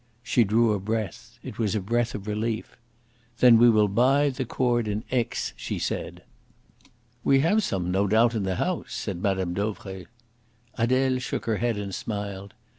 She drew a breath. It was a breath of relief. "Then we will buy the cord in Aix," she said. "We have some, no doubt, in the house," said Mme. Dauvray. Adele shook her head and smiled.